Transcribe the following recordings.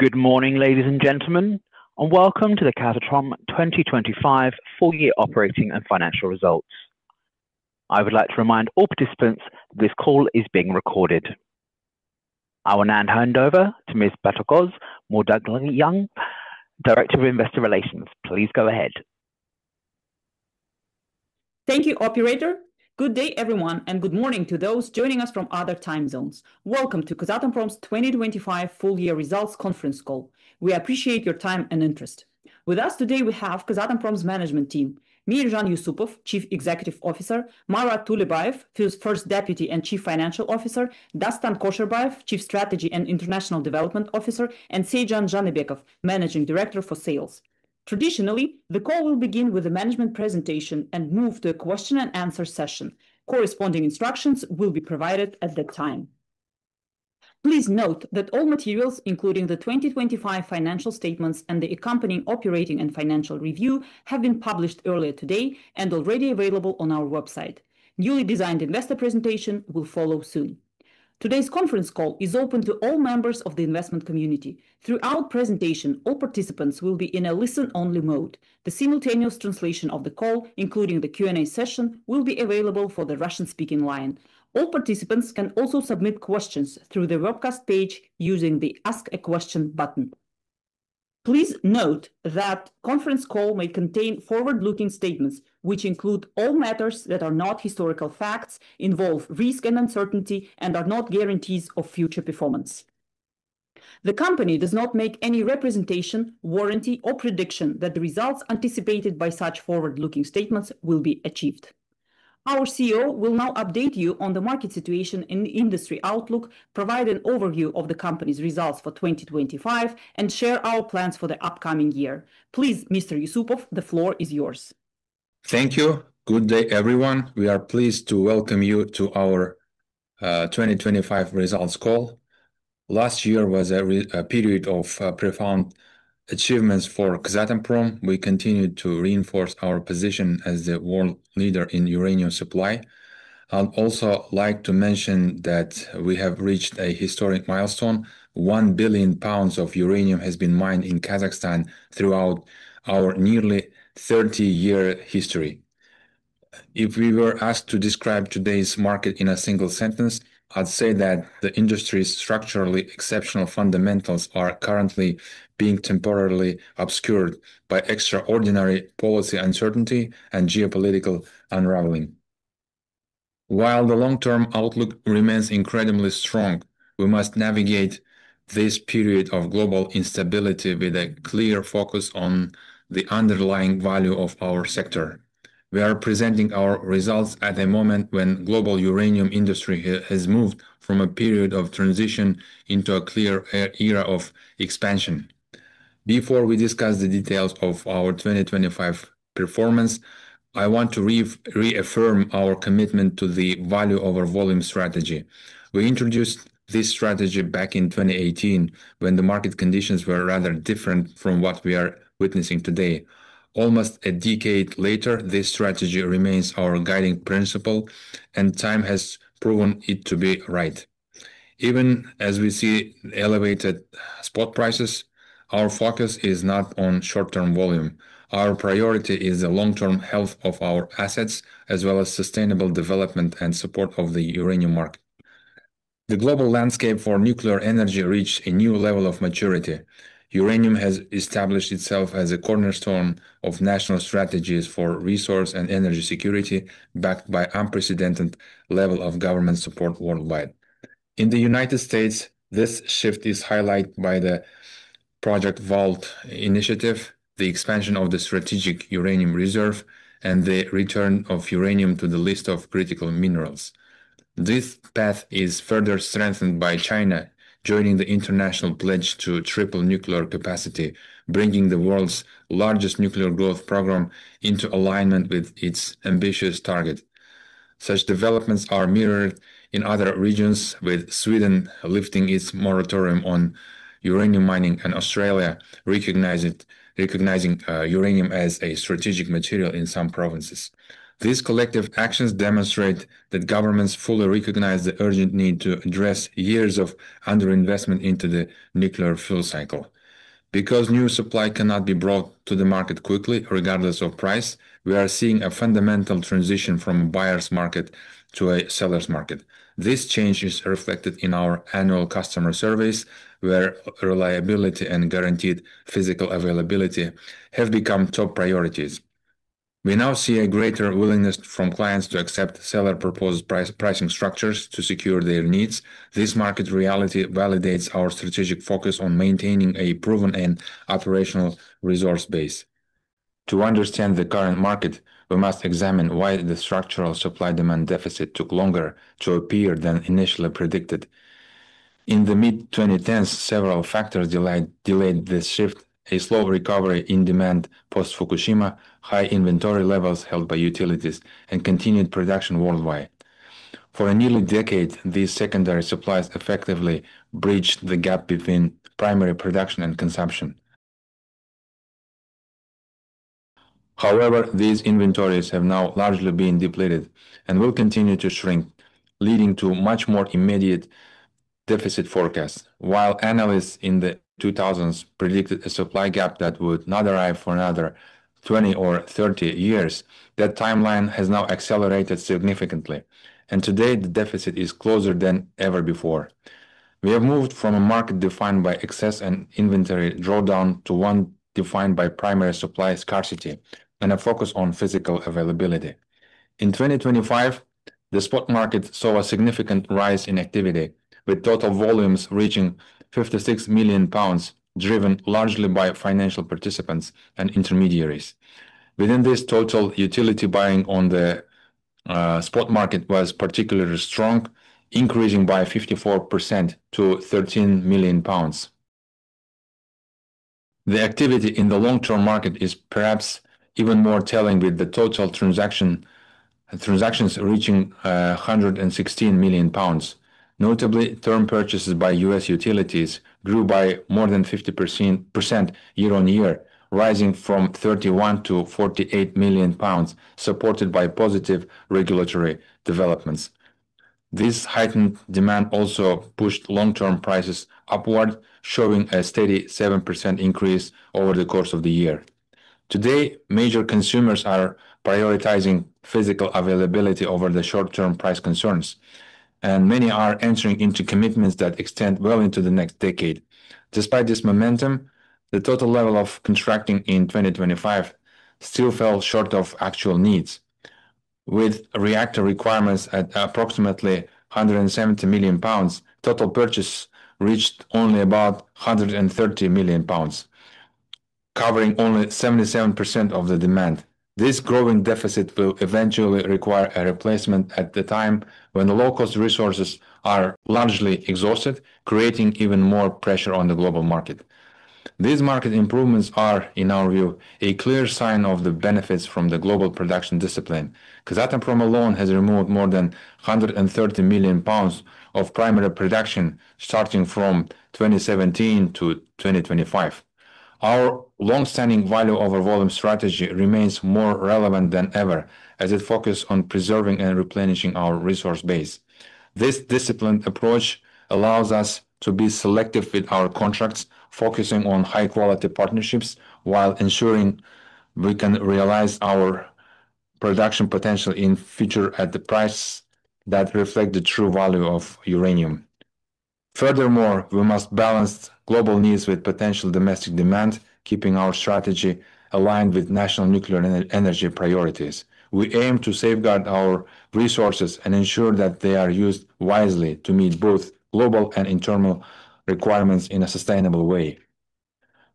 Good morning, ladies and gentlemen, and welcome to the Kazatomprom 2025 Full Year Operating and Financial Results. I would like to remind all participants this call is being recorded. I will now hand over to Ms. Botagoz Muldagaliyeva, Director of Investor Relations. Please go ahead. Thank you, operator. Good day, everyone, and good morning to those joining us from other time zones. Welcome to Kazatomprom's 2025 Full Year Results Conference Call. We appreciate your time and interest. With us today we have Kazatomprom's management team, Meirzhan Yussupov, Chief Executive Officer, Marat Tulebayev, First Deputy and Chief Financial Officer, Dastan Kosherbayev, Chief Strategy and International Development Officer, and Seitzhan Zhanybekov, Managing Director for Sales. Traditionally, the call will begin with a management presentation and move to a question and answer session. Corresponding instructions will be provided at that time. Please note that all materials, including the 2025 Financial Statements and the accompanying Operating and Financial Review, have been published earlier today and already available on our website. Newly designed investor presentation will follow soon. Today's conference call is open to all members of the investment community. Throughout the presentation, all participants will be in a listen-only mode. The simultaneous translation of the call, including the Q&A session, will be available for the Russian-speaking line. All participants can also submit questions through the webcast page using the Ask a Question button. Please note that the conference call may contain forward-looking statements which include all matters that are not historical facts, involve risk and uncertainty, and are not guarantees of future performance. The company does not make any representation, warranty, or prediction that the results anticipated by such forward-looking statements will be achieved. Our CEO will now update you on the market situation and industry outlook, provide an overview of the company's results for 2025, and share our plans for the upcoming year. Please, Mr. Yussupov, the floor is yours. Thank you. Good day, everyone. We are pleased to welcome you to our 2025 Results Call. Last year was a period of profound achievements for Kazatomprom. We continued to reinforce our position as the world leader in uranium supply. I'd also like to mention that we have reached a historic milestone. 1 billion lbs of uranium has been mined in Kazakhstan throughout our nearly 30-year history. If we were asked to describe today's market in a single sentence, I'd say that the industry's structurally exceptional fundamentals are currently being temporarily obscured by extraordinary policy uncertainty and geopolitical unraveling. While the long-term outlook remains incredibly strong, we must navigate this period of global instability with a clear focus on the underlying value of our sector. We are presenting our results at a moment when global uranium industry has moved from a period of transition into a clear era of expansion. Before we discuss the details of our 2025 performance, I want to reaffirm our commitment to the value over volume strategy. We introduced this strategy back in 2018 when the market conditions were rather different from what we are witnessing today. Almost a decade later, this strategy remains our guiding principle, and time has proven it to be right. Even as we see elevated spot prices, our focus is not on short-term volume. Our priority is the long-term health of our assets, as well as sustainable development and support of the uranium market. The global landscape for nuclear energy reached a new level of maturity. Uranium has established itself as a cornerstone of national strategies for resource and energy security, backed by unprecedented level of government support worldwide. In the United States, this shift is highlighted by the Project Vault initiative, the expansion of the Strategic Uranium Reserve, and the return of uranium to the list of critical minerals. This path is further strengthened by China joining the international pledge to triple nuclear capacity, bringing the world's largest nuclear growth program into alignment with its ambitious target. Such developments are mirrored in other regions, with Sweden lifting its moratorium on uranium mining and Australia recognizing uranium as a strategic material in some provinces. These collective actions demonstrate that governments fully recognize the urgent need to address years of underinvestment into the nuclear fuel cycle. Because new supply cannot be brought to the market quickly, regardless of price, we are seeing a fundamental transition from a buyer's market to a seller's market. This change is reflected in our annual customer surveys, where reliability and guaranteed physical availability have become top priorities. We now see a greater willingness from clients to accept seller-proposed price-pricing structures to secure their needs. This market reality validates our strategic focus on maintaining a proven and operational resource base. To understand the current market, we must examine why the structural supply-demand deficit took longer to appear than initially predicted. In the mid-2010s, several factors delayed this shift, a slow recovery in demand post-Fukushima, high inventory levels held by utilities, and continued production worldwide. For nearly a decade, these secondary supplies effectively bridged the gap between primary production and consumption. However, these inventories have now largely been depleted and will continue to shrink, leading to much more immediate deficit forecasts. While analysts in the 2000s predicted a supply gap that would not arrive for another 20 or 30 years, that timeline has now accelerated significantly, and today the deficit is closer than ever before. We have moved from a market defined by excess and inventory drawdown to one defined by primary supply scarcity and a focus on physical availability. In 2025, the spot market saw a significant rise in activity, with total volumes reaching 56 million lbs, driven largely by financial participants and intermediaries. Within this total, utility buying on the spot market was particularly strong, increasing by 54% to 13 million lbs. The activity in the long-term market is perhaps even more telling, with the total transactions reaching 116 million lbs. Notably, term purchases by U.S. utilities grew by more than 50% year-on-year, rising from 31–48 million lbs, supported by positive regulatory developments. This heightened demand also pushed long-term prices upward, showing a steady 7% increase over the course of the year. Today, major consumers are prioritizing physical availability over the short-term price concerns, and many are entering into commitments that extend well into the next decade. Despite this momentum, the total level of contracting in 2025 still fell short of actual needs. With reactor requirements at approximately 170 million lbs, total purchase reached only about 130 million lbs, covering only 77% of the demand. This growing deficit will eventually require a replacement at the time when low-cost resources are largely exhausted, creating even more pressure on the global market. These market improvements are, in our view, a clear sign of the benefits from the global production discipline. Kazatomprom alone has removed more than 130 million lbs of primary production starting from 2017 to 2025. Our long-standing value over volume strategy remains more relevant than ever as it focus on preserving and replenishing our resource base. This disciplined approach allows us to be selective with our contracts, focusing on high-quality partnerships while ensuring we can realize our production potential in future at the price that reflect the true value of uranium. Furthermore, we must balance global needs with potential domestic demand, keeping our strategy aligned with national nuclear energy priorities. We aim to safeguard our resources and ensure that they are used wisely to meet both global and internal requirements in a sustainable way.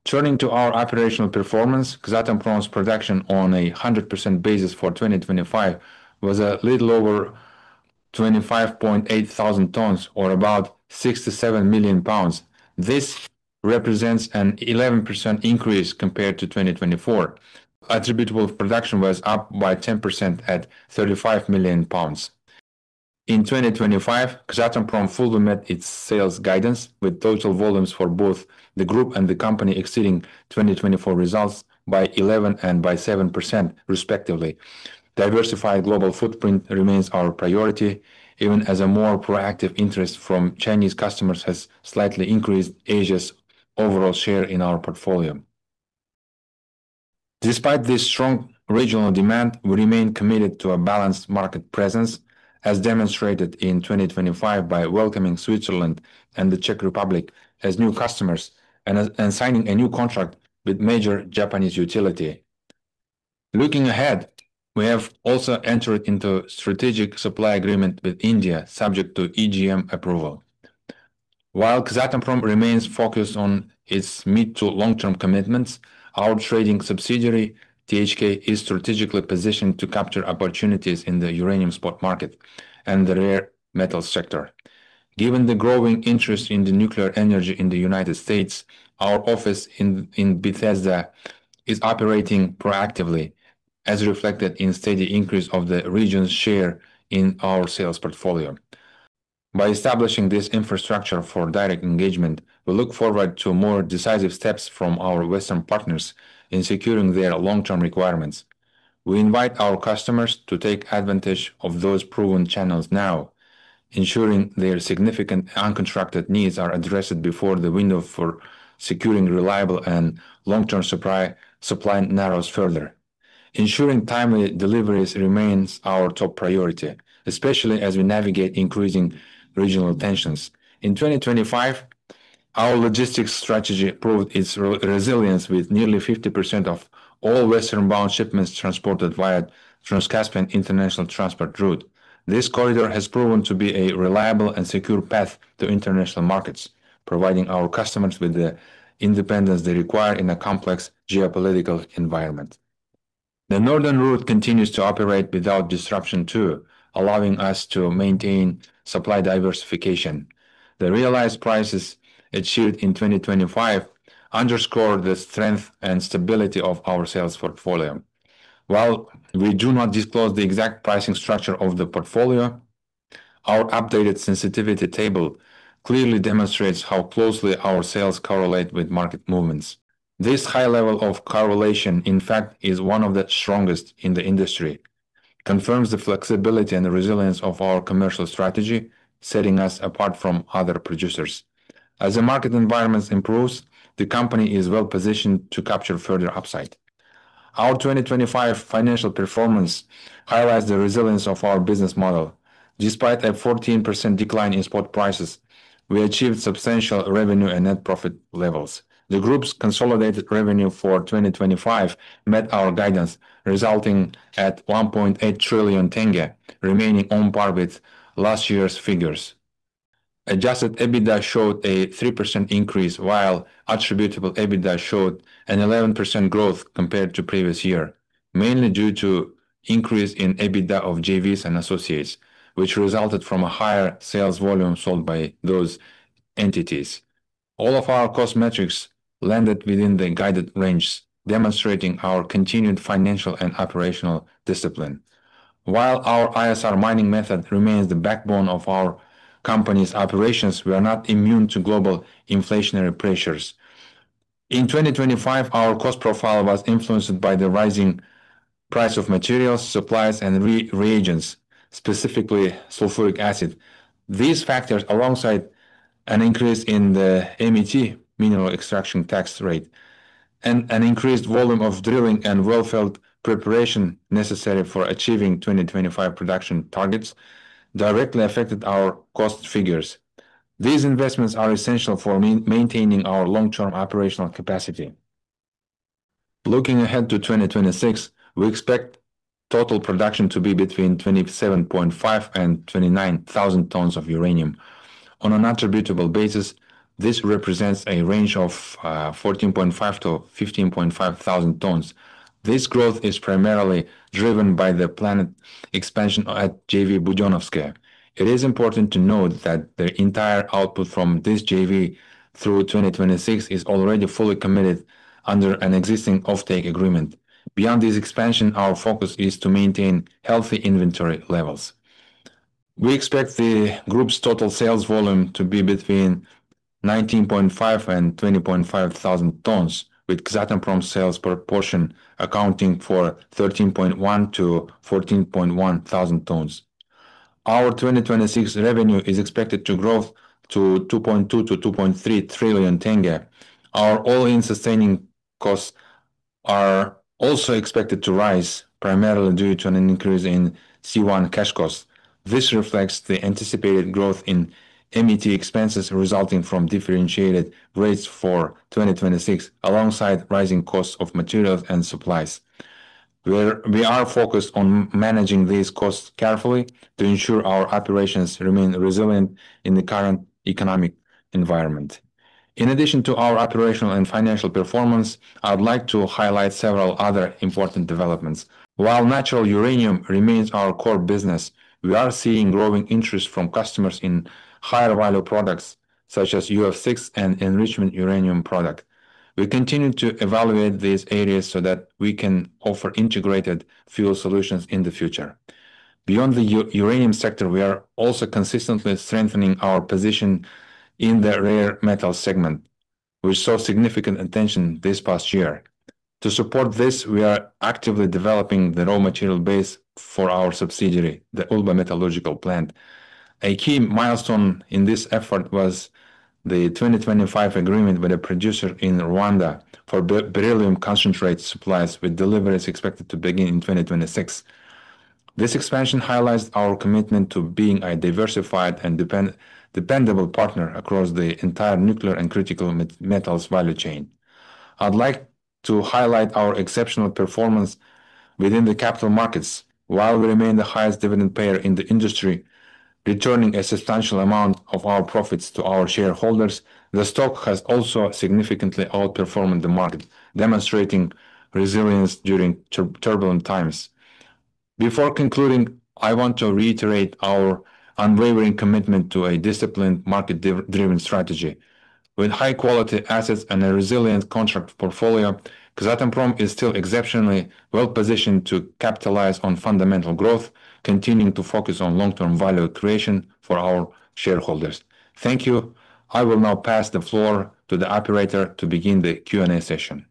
Turning to our operational performance, Kazatomprom's production on a 100% basis for 2025 was a little over 25,800 tons or about 67 million lbs. This represents an 11% increase compared to 2024. Attributable production was up by 10% at 35 million lbs. In 2025, Kazatomprom fully met its sales guidance, with total volumes for both the group and the company exceeding 2024 results by 11% and by 7% respectively. Diversified global footprint remains our priority, even as a more proactive interest from Chinese customers has slightly increased Asia's overall share in our portfolio. Despite this strong regional demand, we remain committed to a balanced market presence, as demonstrated in 2025 by welcoming Switzerland and the Czech Republic as new customers and signing a new contract with major Japanese utility. Looking ahead, we have also entered into strategic supply agreement with India, subject to EGM approval. While Kazatomprom remains focused on its mid to long-term commitments, our trading subsidiary, THK, is strategically positioned to capture opportunities in the uranium spot market and the rare metals sector. Given the growing interest in the nuclear energy in the United States, our office in Bethesda is operating proactively, as reflected in steady increase of the region's share in our sales portfolio. By establishing this infrastructure for direct engagement, we look forward to more decisive steps from our Western partners in securing their long-term requirements. We invite our customers to take advantage of those proven channels now, ensuring their significant uncontracted needs are addressed before the window for securing reliable and long-term supply narrows further. Ensuring timely deliveries remains our top priority, especially as we navigate increasing regional tensions. In 2025, our logistics strategy proved its resilience with nearly 50% of all Western-bound shipments transported via Trans-Caspian International Transport Route. This corridor has proven to be a reliable and secure path to international markets, providing our customers with the independence they require in a complex geopolitical environment. The northern route continues to operate without disruption too, allowing us to maintain supply diversification. The realized prices achieved in 2025 underscore the strength and stability of our sales portfolio. While we do not disclose the exact pricing structure of the portfolio. Our updated sensitivity table clearly demonstrates how closely our sales correlate with market movements. This high level of correlation, in fact, is one of the strongest in the industry. It confirms the flexibility and the resilience of our commercial strategy, setting us apart from other producers. As the market environment improves, the company is well-positioned to capture further upside. Our 2025 financial performance highlights the resilience of our business model. Despite a 14% decline in spot prices, we achieved substantial revenue and net profit levels. The group's consolidated revenue for 2025 met our guidance, resulting at KZT 1.8 trillion, remaining on par with last year's figures. Adjusted EBITDA showed a 3% increase, while attributable EBITDA showed an 11% growth compared to previous year, mainly due to increase in EBITDA of JVs and associates, which resulted from a higher sales volume sold by those entities. All of our cost metrics landed within the guided ranges, demonstrating our continued financial and operational discipline. While our ISR mining method remains the backbone of our company's operations, we are not immune to global inflationary pressures. In 2025, our cost profile was influenced by the rising price of materials, supplies, and reagents, specifically sulfuric acid. These factors, alongside an increase in the MET, mineral extraction tax rate, and an increased volume of drilling and wellfield preparation necessary for achieving 2025 production targets directly affected our cost figures. These investments are essential for maintaining our long-term operational capacity. Looking ahead to 2026, we expect total production to be between 27,500 tons and 29,000 tons of uranium. On an attributable basis, this represents a range of 14,500–15,500 tons. This growth is primarily driven by the planned expansion at JV Budenovskoye. It is important to note that the entire output from this JV through 2026 is already fully committed under an existing offtake agreement. Beyond this expansion, our focus is to maintain healthy inventory levels. We expect the group's total sales volume to be between 19,500 tons and 20,500 tons, with Kazatomprom sales proportion accounting for 13,100–14,100 tons. Our 2026 revenue is expected to grow to KZT 2.2 trillion-KZT 2.3 trillion. Our all-in sustaining costs are also expected to rise, primarily due to an increase in C1 cash costs. This reflects the anticipated growth in MET expenses resulting from differentiated rates for 2026, alongside rising costs of materials and supplies. We are focused on managing these costs carefully to ensure our operations remain resilient in the current economic environment. In addition to our operational and financial performance, I would like to highlight several other important developments. While natural uranium remains our core business, we are seeing growing interest from customers in higher value products such as UF6 and enrichment uranium product. We continue to evaluate these areas so that we can offer integrated fuel solutions in the future. Beyond the uranium sector, we are also consistently strengthening our position in the rare metal segment, which saw significant attention this past year. To support this, we are actively developing the raw material base for our subsidiary, the Ulba Metallurgical Plant. A key milestone in this effort was the 2025 agreement with a producer in Rwanda for beryllium concentrate supplies, with deliveries expected to begin in 2026. This expansion highlights our commitment to being a diversified and dependable partner across the entire nuclear and critical metals value chain. I'd like to highlight our exceptional performance within the capital markets. While we remain the highest dividend payer in the industry, returning a substantial amount of our profits to our shareholders, the stock has also significantly outperformed the market, demonstrating resilience during turbulent times. Before concluding, I want to reiterate our unwavering commitment to a disciplined, market-driven strategy. With high quality assets and a resilient contract portfolio, Kazatomprom is still exceptionally well-positioned to capitalize on fundamental growth, continuing to focus on long-term value creation for our shareholders. Thank you. I will now pass the floor to the operator to begin the Q&A session.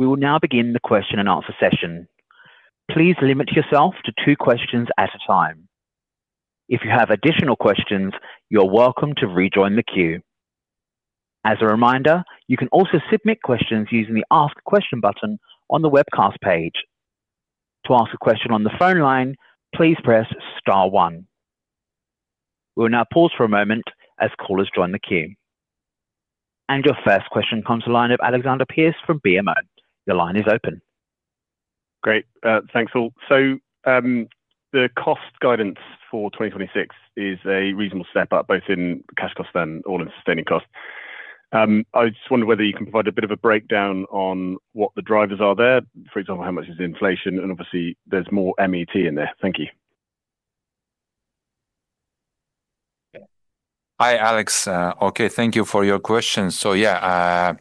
We will now begin the question and answer session. Please limit yourself to two questions at a time. If you have additional questions, you're welcome to rejoin the queue. As a reminder, you can also submit questions using the Ask Question button on the webcast page. To ask a question on the phone line, please press star one. We will now pause for a moment as callers join the queue. Your first question comes from the line of Alexander Pearce from BMO. Your line is open. Great. Thanks all. The cost guidance for 2026 is a reasonable step up, both in cash costs and all-in sustaining costs. I just wonder whether you can provide a bit of a breakdown on what the drivers are there. For example, how much is inflation, and obviously there's more MET in there. Thank you. Hi, Alexander. Thank you for your question. Yeah,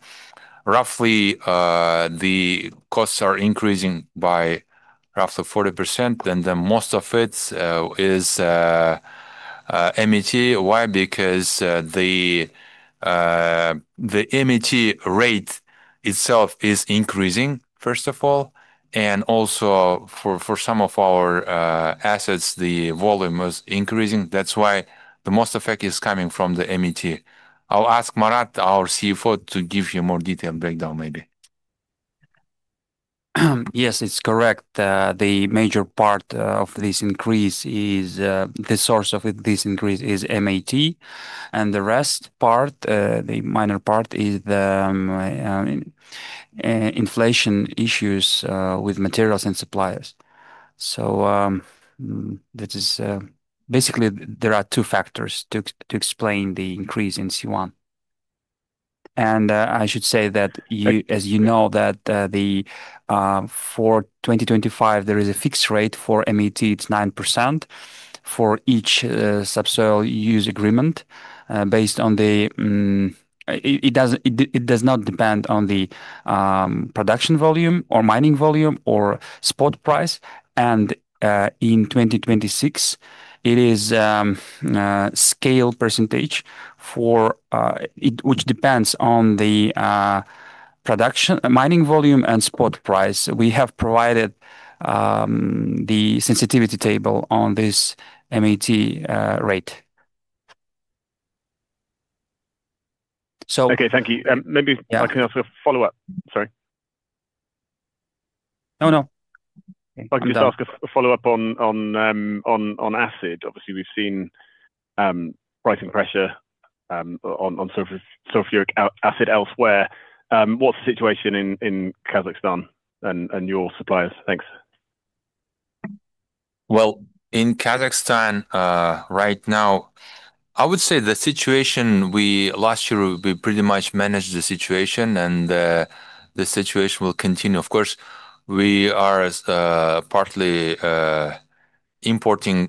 roughly, the costs are increasing by roughly 40%, and the most of it is MET. Why? Because the MET rate itself is increasing, first of all, and also for some of our assets, the volume was increasing. That's why the most effect is coming from the MET. I'll ask Marat Tulebayev, our CFO, to give you more detailed breakdown, maybe. Yes, it's correct. The major part of this increase, the source of this increase, is MET, and the minor part is the inflation issues with materials and suppliers. That is, basically, there are two factors to explain the increase in C1. I should say that as you know, that for 2025 there is a fixed rate for MET, it’s 9% for each subsoil use agreement. It does not depend on the production volume or mining volume or spot price. In 2026 it is sliding scale percentage which depends on the production, mining volume and spot price. We have provided the sensitivity table on this MET rate. Okay, thank you. Maybe I can ask a follow-up. Sorry. No, no. If I can just ask a follow-up on acid. Obviously, we've seen pricing pressure on surface sulfuric acid elsewhere. What's the situation in Kazakhstan and your suppliers? Thanks. Well, in Kazakhstan, right now, I would say the situation last year, we pretty much managed the situation and the situation will continue. Of course, we are partly importing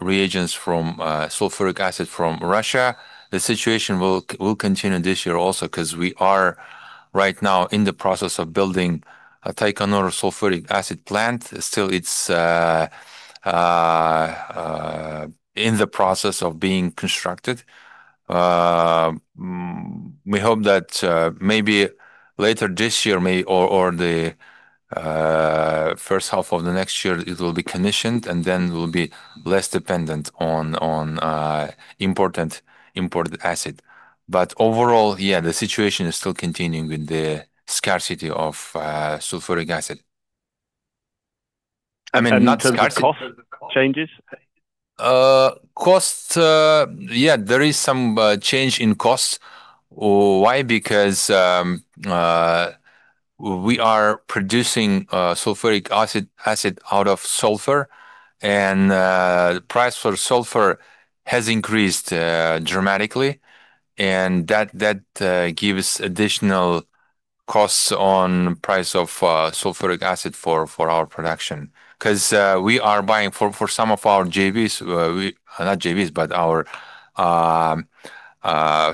reagents from sulfuric acid from Russia. The situation will continue this year also 'cause we are right now in the process of building a Taikonur sulfuric acid plant. Still it's in the process of being constructed. We hope that maybe later this year, or the first half of the next year it will be commissioned and then we'll be less dependent on imported acid. Overall, yeah, the situation is still continuing with the scarcity of sulfuric acid. I mean, not scarcity. In terms of cost changes? Yeah, there is some change in cost. Why? Because we are producing sulfuric acid out of sulfur and price for sulfur has increased dramatically and that gives additional costs on price of sulfuric acid for our production. 'Cause we are buying for some of our JVs, not JVs, but our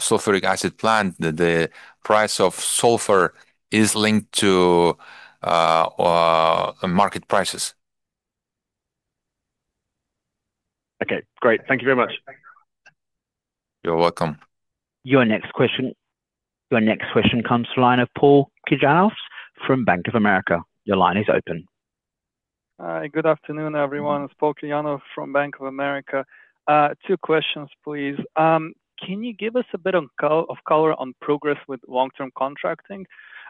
sulfuric acid plant, the price of sulfur is linked to market prices. Okay, great. Thank you very much. You're welcome. Your next question comes from the line of Paul Kirjanov from Bank of America. Your line is open. Hi. Good afternoon, everyone. It's Paul Kirjanov from Bank of America. Two questions, please. Can you give us a bit of color on progress with long-term contracting?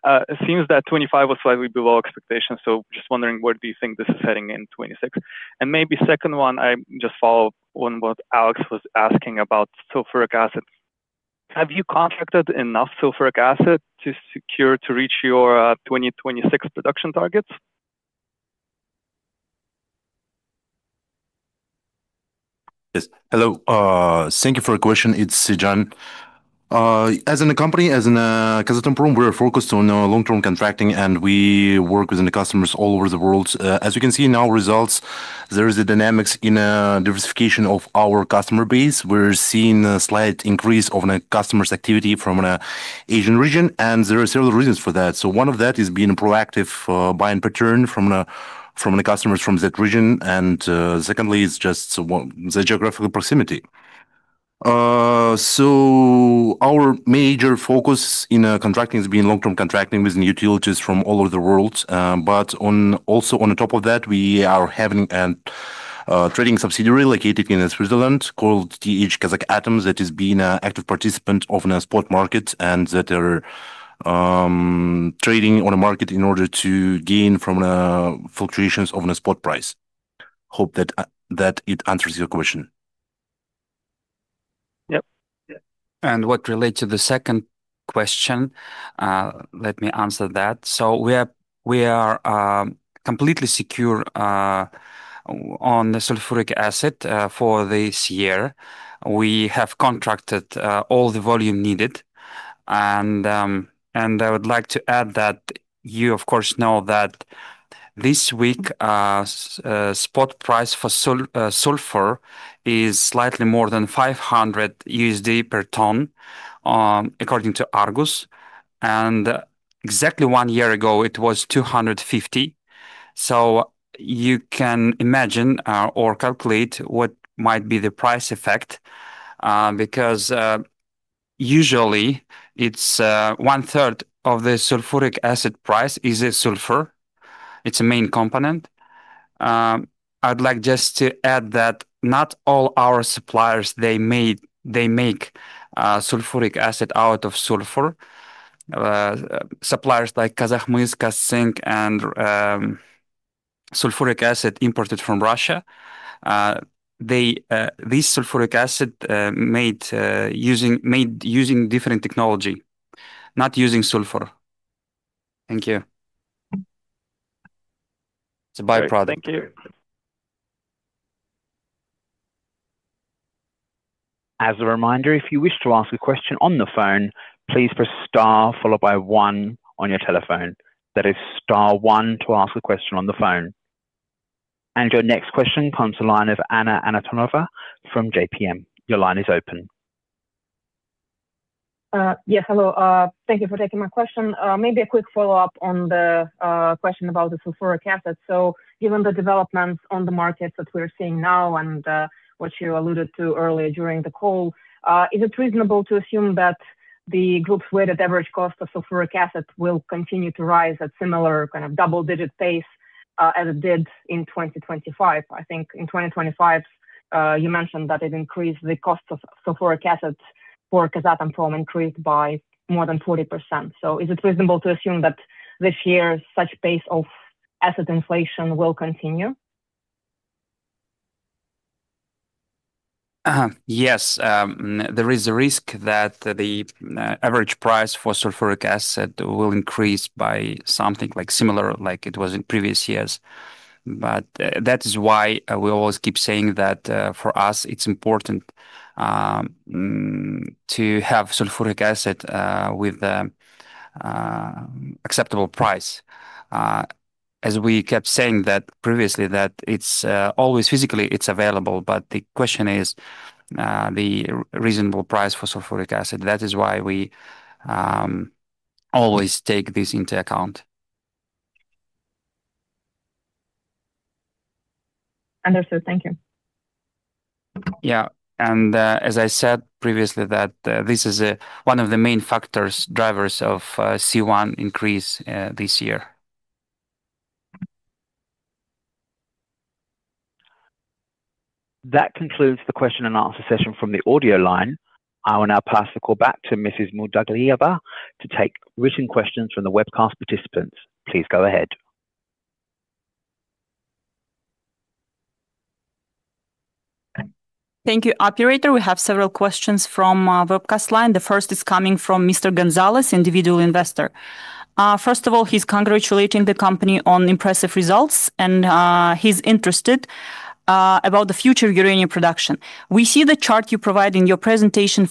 It seems that 2025 was slightly below expectations, so just wondering where do you think this is heading in 2026. Maybe second one, I just follow up on what Alex was asking about sulfuric acid. Have you contracted enough sulfuric acid to reach your 2026 production targets? Yes. Hello. Thank you for your question. It's Seitzhan. As in our company, as in Kazatomprom, we are focused on long-term contracting, and we work with the customers all over the world. As you can see in our results, there is dynamics in diversification of our customer base. We're seeing a slight increase of customers' activity from the Asian region, and there are several reasons for that. One of them is being proactive buying pattern from the customers from that region. Secondly is just the geographical proximity. Our major focus in contracting has been long-term contracting with new utilities from all over the world. Also, on top of that, we are having a trading subsidiary located in Switzerland called TH KazakAtom that has been an active participant of the spot market and that are trading on the market in order to gain from fluctuations of the spot price. Hope that it answers your question. Yep. Yeah. What relates to the second question, let me answer that. We are completely secure on the sulfuric acid for this year. We have contracted all the volume needed. I would like to add that you of course know that this week, spot price for sulfur is slightly more than $500 per ton, according to Argus. Exactly one year ago it was $250. You can imagine or calculate what might be the price effect, because usually it's 1/3 of the sulfuric acid price is the sulfur. It's a main component. I'd like just to add that not all our suppliers, they make sulfuric acid out of sulfur. Suppliers like Kazakhmys, Kazzinc, and sulfuric acid imported from Russia, this sulfuric acid made using different technology, not using sulfur. Thank you. It's a byproduct. Thank you. As a reminder, if you wish to ask a question on the phone, please press star followed by one on your telephone. That is star one to ask a question on the phone. Your next question comes to line of Anna Antonova from JPMorgan. Your line is open. Yes. Hello. Thank you for taking my question. Maybe a quick follow-up on the question about the sulfuric acid. Given the developments on the markets that we're seeing now and what you alluded to earlier during the call, is it reasonable to assume that the group's weighted average cost of sulfuric acid will continue to rise at similar kind of double-digit pace as it did in 2025? I think in 2025, you mentioned that it increased the cost of sulfuric acid for Kazatomprom by more than 40%. Is it reasonable to assume that this year such pace of asset inflation will continue? Yes. There is a risk that the average price for sulfuric acid will increase by something like similar, like it was in previous years. That is why we always keep saying that for us it's important to have sulfuric acid with acceptable price. As we kept saying that previously, that it's always physically it's available, but the question is the reasonable price for sulfuric acid. That is why we always take this into account. Understood. Thank you. Yeah. As I said previously, that this is one of the main factors, drivers of C1 increase this year. That concludes the question and answer session from the audio line. I will now pass the call back to Mrs. Muldagaliyeva to take written questions from the webcast participants. Please go ahead. Thank you, operator. We have several questions from our webcast line. The first is coming from Mr. Gonzalez, individual investor. First of all, he's congratulating the company on impressive results, and he's interested about the future of uranium production. We see the chart you provide in your presentation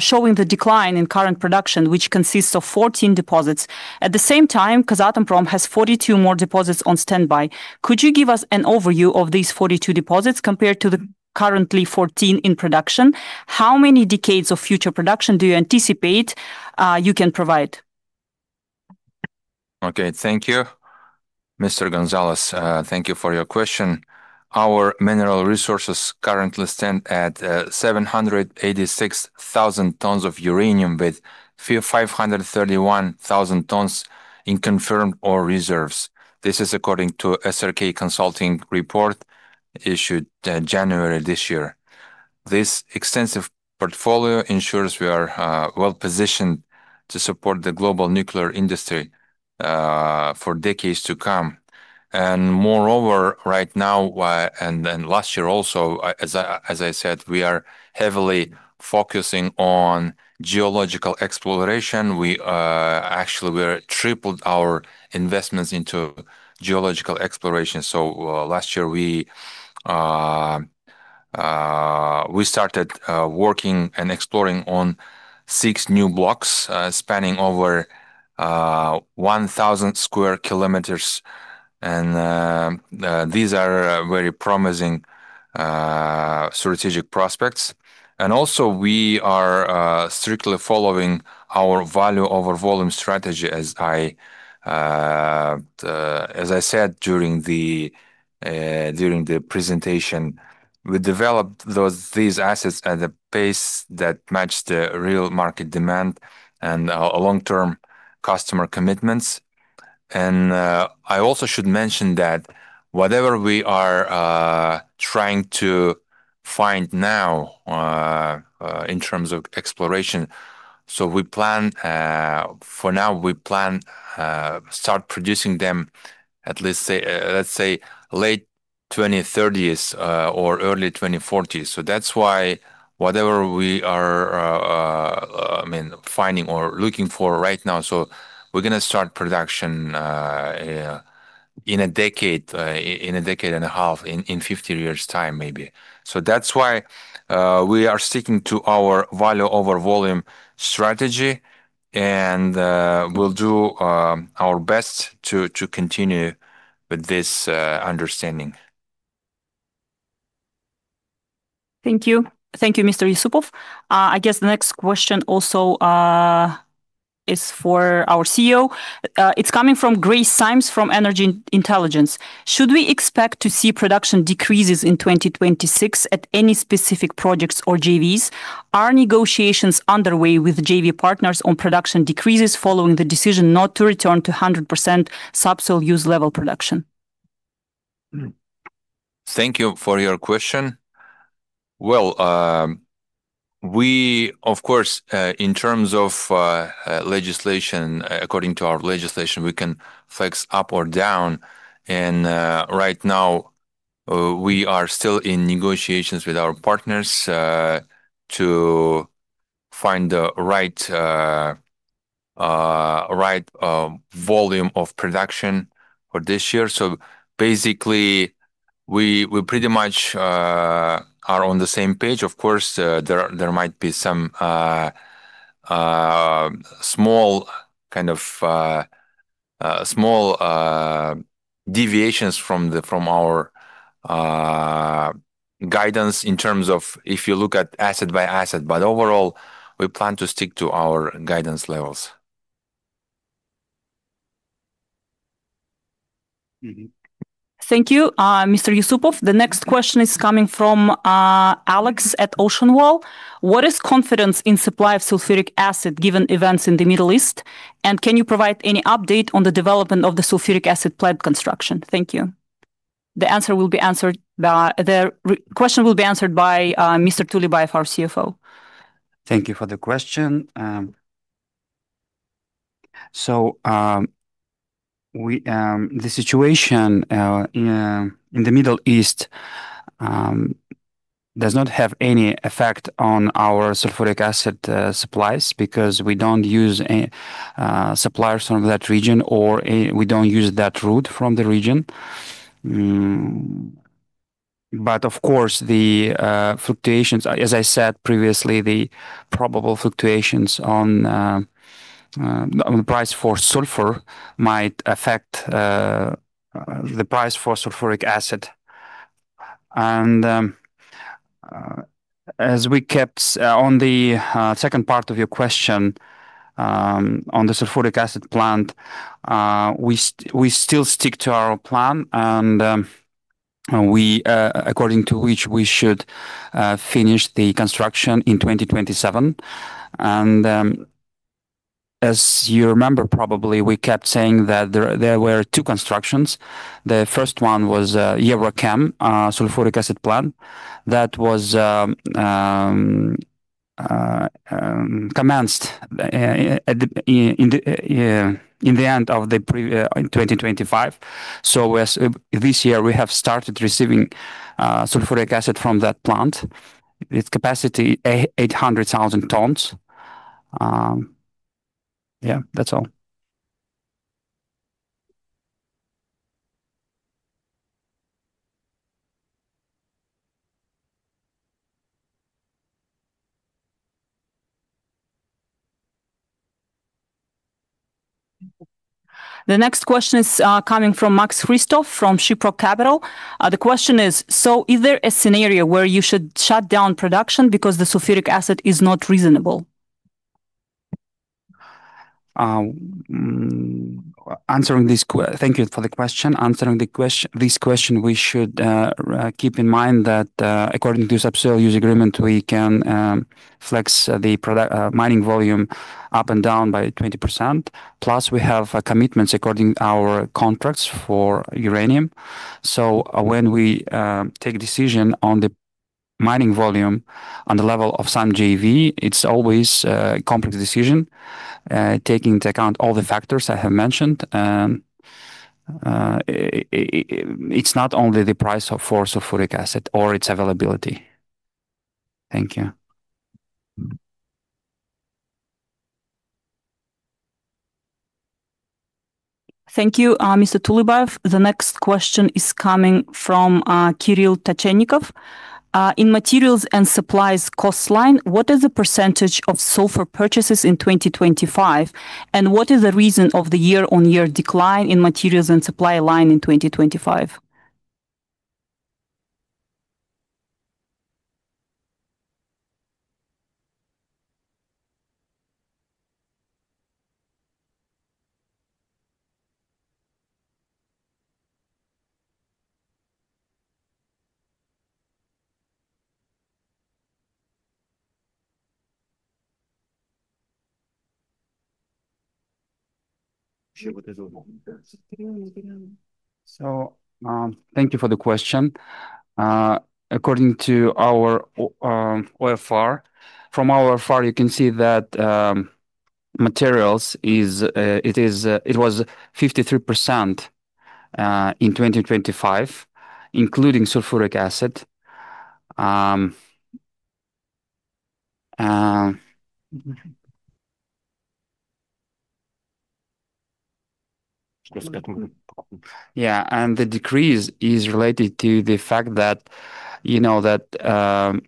showing the decline in current production, which consists of 14 deposits. At the same time, Kazatomprom has 42 more deposits on standby. Could you give us an overview of these 42 deposits compared to the currently 14 in production? How many decades of future production do you anticipate you can provide? Okay. Thank you. Mr. Gonzalez, thank you for your question. Our mineral resources currently stand at 786,000 tons of uranium with 531,000 tons in confirmed ore reserves. This is according to SRK Consulting report issued January this year. This extensive portfolio ensures we are well-positioned to support the global nuclear industry for decades to come. Moreover, right now and then last year also, as I said, we are heavily focusing on geological exploration. We actually tripled our investments into geological exploration. Last year we started working and exploring on six new blocks spanning over 1,000 sq km and these are very promising strategic prospects. We are strictly following our value over volume strategy as I said during the presentation. We developed these assets at a pace that matched the real market demand and long-term customer commitments. I also should mention that whatever we are trying to find now in terms of exploration. We plan for now to start producing them at least, let's say, late 2030s or early 2040s. That's why whatever we are finding or looking for right now, so we're gonna start production in a decade and a half, in 50 years' time maybe. That's why we are sticking to our value over volume strategy, and we'll do our best to continue with this understanding. Thank you. Thank you, Mr. Yussupov. I guess the next question also is for our CEO. It's coming from Grace Sims from Energy Intelligence. Should we expect to see production decreases in 2026 at any specific projects or JVs? Are negotiations underway with JV partners on production decreases following the decision not to return to 100% subsoil use level production? Thank you for your question. Well, we of course, in terms of legislation, according to our legislation, we can flex up or down and, right now, we are still in negotiations with our partners, to find the right volume of production for this year. Basically, we pretty much are on the same page. Of course, there might be some small kind of deviations from our guidance in terms of if you look at asset by asset. Overall, we plan to stick to our guidance levels. Thank you, Mr. Yussupov. The next question is coming from Alex at Ocean Wall. What is confidence in supply of sulfuric acid given events in the Middle East? And can you provide any update on the development of the sulfuric acid plant construction? Thank you. The question will be answered by Mr. Tulebayev, our CFO. Thank you for the question. So, the situation in the Middle East does not have any effect on our sulfuric acid supplies because we don't use suppliers from that region, or we don't use that route from the region. Of course, the fluctuations, as I said previously, the probable fluctuations on price for sulfur might affect the price for sulfuric acid. As we kept on the second part of your question, on the sulfuric acid plant, we still stick to our plan and, according to which we should finish the construction in 2027. As you remember probably, we kept saying that there were two constructions. The first one was EuroChem sulfuric acid plant that was commenced in 2025. As this year we have started receiving sulfuric acid from that plant. Its capacity, 800,000 tons. Yeah, that's all. The next question is coming from Max Christoph from Shiprock Capital. The question is there a scenario where you should shut down production because the sulfuric acid is not reasonable? Thank you for the question. This question, we should keep in mind that according to subsoil use agreement, we can flex the product mining volume up and down by 20%, plus we have commitments according to our contracts for uranium. When we take decision on the mining volume on the level of some JV, it's always a complex decision taking into account all the factors I have mentioned. It's not only the price for sulfuric acid or its availability. Thank you. Thank you, Mr. Tulebayev. The next question is coming from Kirill Tachennikov. In materials and supplies cost line, what is the percentage of sulfur purchases in 2025, and what is the reason of the year-on-year decline in materials and supply line in 2025? Thank you for the question. According to our OFR, from our OFR, you can see that materials was 53% in 2025, including sulfuric acid. Yeah, and the decrease is related to the fact that the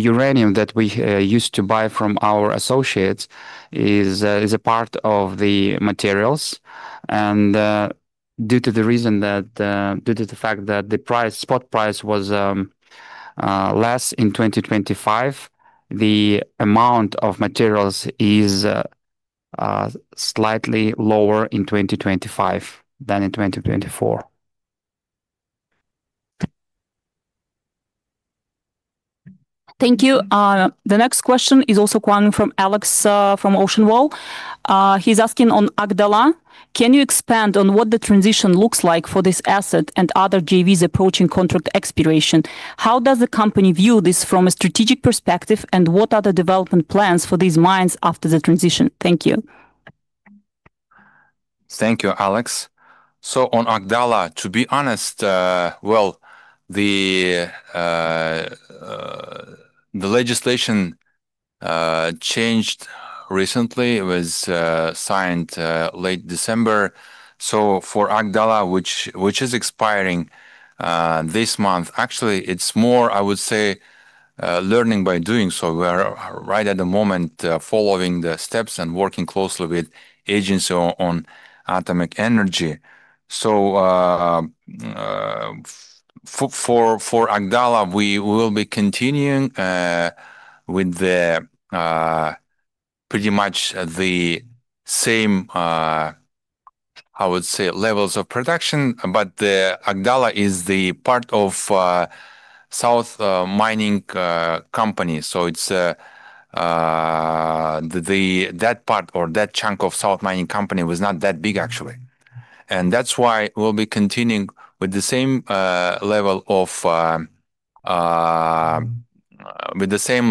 uranium that we used to buy from our associates is a part of the materials. And due to the fact that the spot price was less in 2025, the amount of materials is slightly lower in 2025 than in 2024. Thank you. The next question is also one from Alex, from Ocean Wall. He's asking on Akdala, can you expand on what the transition looks like for this asset and other JVs approaching contract expiration? How does the company view this from a strategic perspective, and what are the development plans for these mines after the transition? Thank you. Thank you, Alex. On Akdala, to be honest, well, the legislation changed recently. It was signed late December. For Akdala, which is expiring this month, actually, it's more, I would say, learning by doing so. We're right at the moment following the steps and working closely with Agency on Atomic Energy. For Akdala, we will be continuing with pretty much the same, I would say levels of production, but the Akdala is the part of South Mining Company. It's that part or that chunk of South Mining Company was not that big actually. That's why we'll be continuing with the same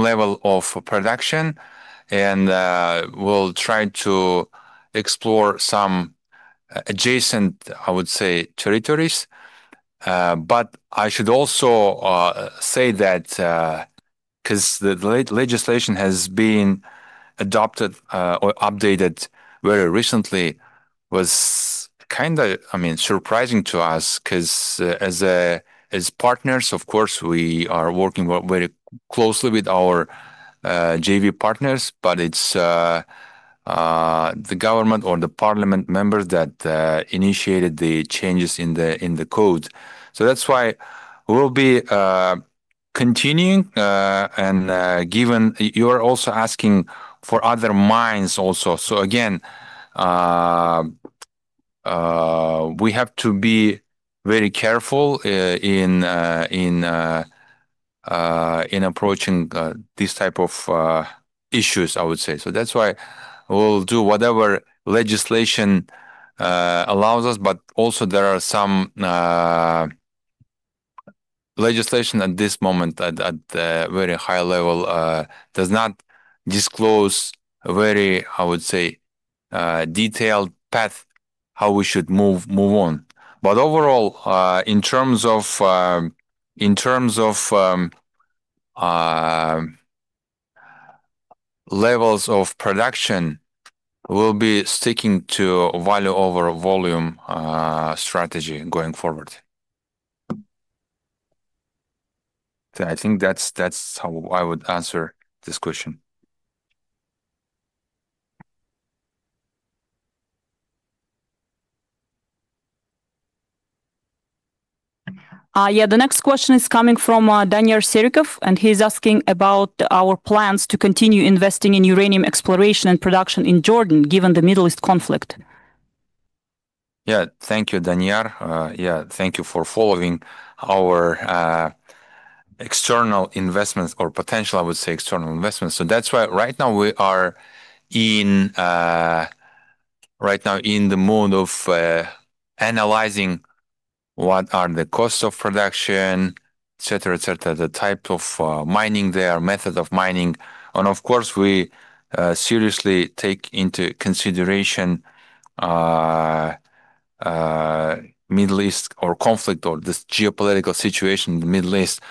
level of production and we'll try to explore some adjacent, I would say, territories. I should also say that 'cause the legislation has been adopted or updated very recently was surprising to us 'cause as partners, of course, we are working very closely with our JV partners, but it's the government or the parliament members that initiated the changes in the code. That's why we'll be continuing and given you're also asking for other mines also. Again, we have to be very careful in approaching these type of issues, I would say. That's why we'll do whatever legislation allows us, but also there are some legislation at this moment at a very high level does not disclose a very, I would say, detailed path how we should move on. Overall, in terms of levels of production, we'll be sticking to value over volume strategy going forward. I think that's how I would answer this question. The next question is coming from Daniyar Orazbayev, and he's asking about our plans to continue investing in uranium exploration and production in Jordan, given the Middle East conflict. Yeah. Thank you, Daniyar. Yeah, thank you for following our external investments or potential, I would say, external investments. That's why right now we are in the mode of analyzing what are the costs of production, et cetera, et cetera, the type of mining there, method of mining. Of course, we seriously take into consideration Middle East or conflict or this geopolitical situation in the Middle East.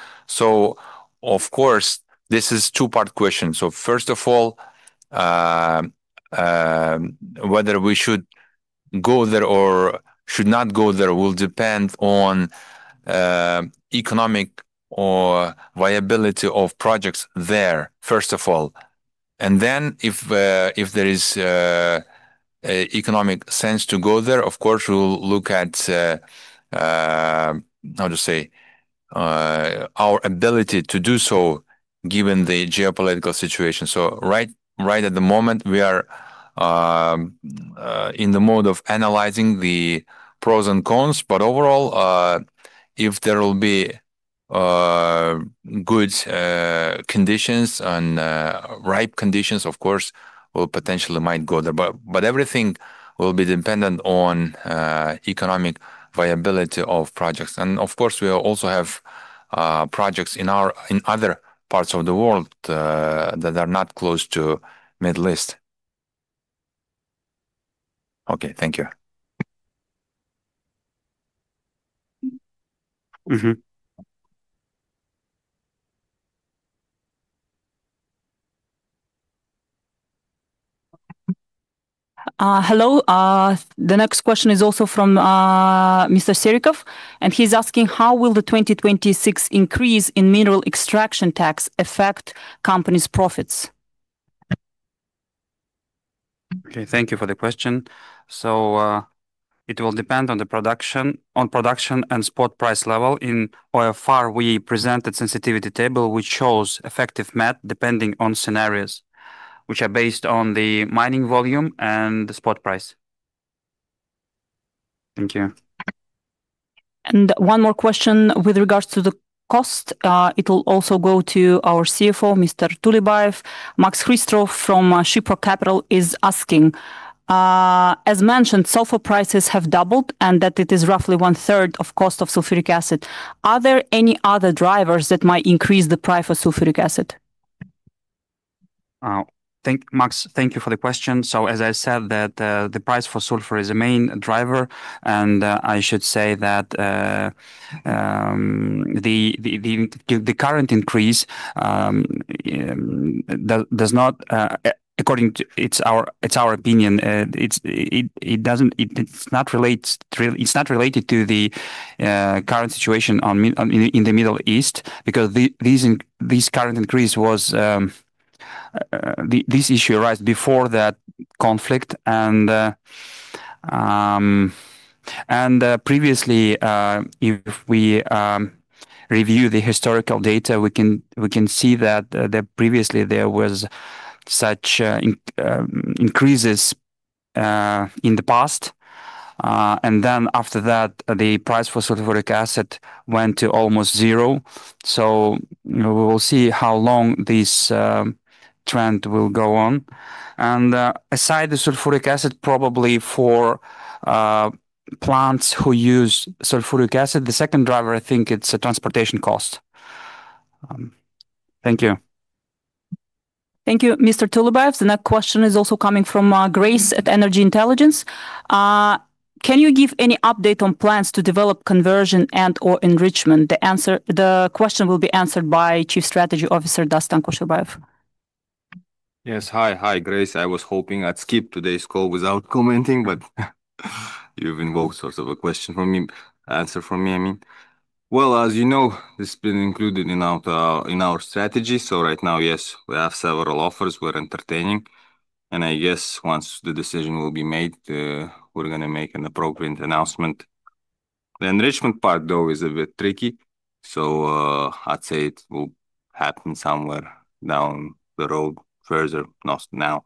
Of course, this is two-part question. First of all, whether we should go there or should not go there will depend on economic or viability of projects there, first of all. Then if there is economic sense to go there, of course, we'll look at how to say our ability to do so, given the geopolitical situation. Right at the moment, we are in the mode of analyzing the pros and cons. Overall, if there will be good conditions and ripe conditions, of course, we potentially might go there. Everything will be dependent on economic viability of projects. Of course, we also have projects in other parts of the world that are not close to Middle East. Okay. Thank you. Hello. The next question is also from Mr. Orazbayev, and he's asking: How will the 2026 increase in mineral extraction tax affect company's profits? Okay, thank you for the question. It will depend on production and spot price level in. So far, we presented sensitivity table, which shows effective METR depending on scenarios, which are based on the mining volume and the spot price. Thank you. One more question with regards to the cost. It will also go to our CFO, Mr. Tulebayev. Max Christoph from Shiprock Capital. is asking, as mentioned, sulfur prices have doubled and that it is roughly one-third of cost of sulfuric acid. Are there any other drivers that might increase the price for sulfuric acid? Thank Max, thank you for the question. As I said, the price for sulfur is the main driver, and I should say that the current increase does not, according to our opinion, relate to the current situation in the Middle East, because this current increase was, this issue arose before that conflict. Previously, if we review the historical data, we can see that previously there was such increases in the past. Then after that, the price for sulfuric acid went to almost zero. We will see how long this trend will go on. Aside from the sulfuric acid, probably for plants who use sulfuric acid, the second driver, I think it's the transportation cost. Thank you. Thank you, Mr. Tulebayev. The next question is also coming from Grace Sims at Energy Intelligence. Can you give any update on plans to develop conversion and/or enrichment? The question will be answered by Chief Strategy Officer, Dastan Kosherbayev. Yes. Hi. Hi, Grace. I was hoping I'd skip today's call without commenting, but you've invoked sort of a answer for me, I mean. Well, as you know, this has been included in our strategy. Right now, yes, we have several offers we're entertaining. I guess once the decision will be made, we're going to make an appropriate announcement. The enrichment part, though, is a bit tricky. I'd say it will happen somewhere down the road further, not now.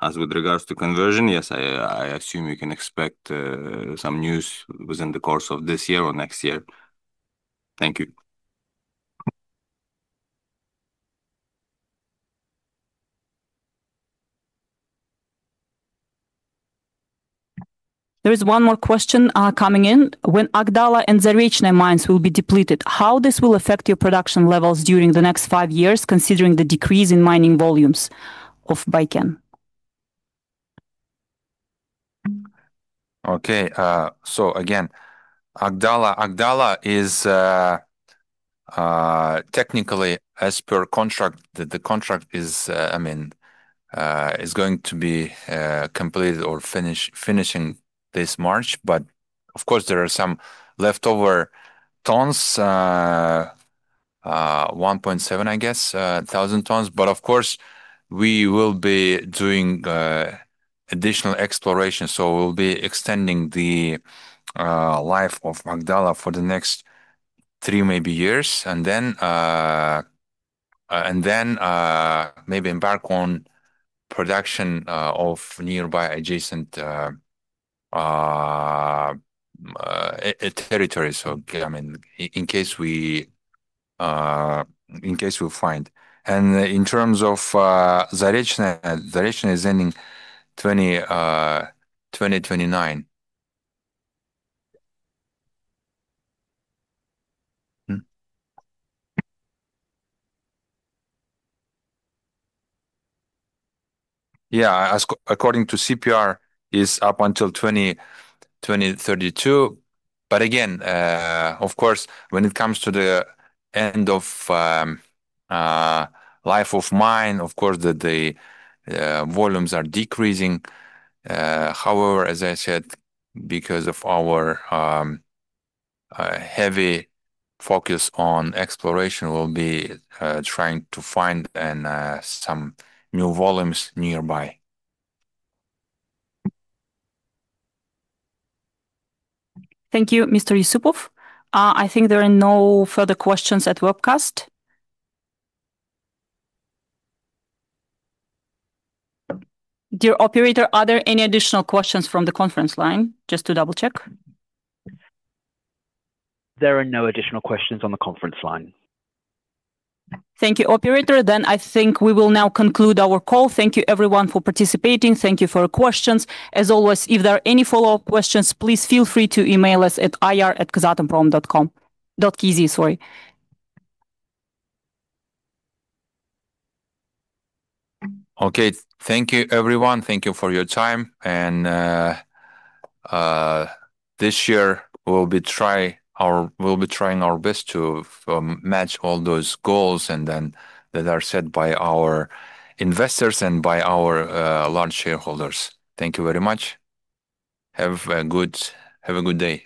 As with regards to conversion, yes, I assume you can expect some news within the course of this year or next year. Thank you. There is one more question, coming in. When Akdala and Zarechnoye mines will be depleted, how this will affect your production levels during the next five years, considering the decrease in mining volumes of Baiken? Okay. Again, Akdala is technically as per contract, the contract is, I mean, going to be completed or finished, finishing this March. But of course, there are some leftover tons, 1,700 tons, I guess. But of course, we will be doing additional exploration. We'll be extending the life of Akdala for the next three maybe years, and then maybe embark on production of nearby adjacent territories. I mean, in case we find. In terms of Zarechnoye is ending 2029. Yeah. According to CPR, is up until 2032. Again, of course, when it comes to the end of life of mine, of course, the volumes are decreasing. However, as I said, because of our heavy focus on exploration, we'll be trying to find some new volumes nearby. Thank you, Mr. Yussupov. I think there are no further questions at webcast. Dear operator, are there any additional questions from the conference line, just to double-check? There are no additional questions on the conference line. Thank you, operator. I think we will now conclude our call. Thank you everyone for participating. Thank you for your questions. As always, if there are any follow-up questions, please feel free to email us at ir@kazatomprom.kz. Okay. Thank you, everyone. Thank you for your time. This year, we'll be trying our best to match all those goals and then that are set by our investors and by our large shareholders. Thank you very much. Have a good day.